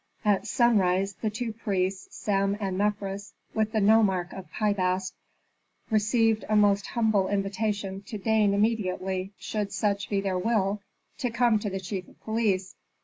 At sunrise the two priests, Sem and Mefres, with the nomarch of Pi Bast, received a most humble invitation to deign immediately, should such be their will, to come to the chief of police.